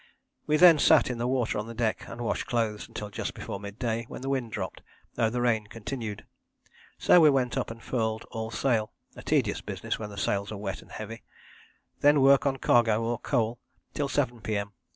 We then sat in the water on the deck and washed clothes until just before mid day, when the wind dropped, though the rain continued. So we went up and furled all sail, a tedious business when the sails are wet and heavy. Then work on cargo or coal till 7 P.M.